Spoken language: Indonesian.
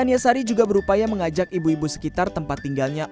mbak sari juga berusaha untuk mengajak ibu ibu sekitar tempat tinggalnya